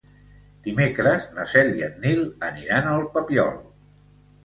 Dimecres na Cel i en Nil aniran al Papiol.